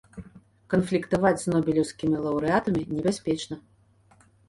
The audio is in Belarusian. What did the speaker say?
Канфліктаваць з нобелеўскімі лаўрэатамі небяспечна.